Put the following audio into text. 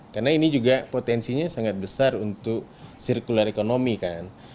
karena ini juga potensinya sangat besar untuk circular economy kan